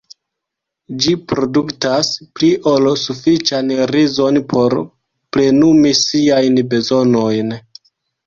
Ĝi produktas pli ol sufiĉan rizon por plenumi siajn bezonojn.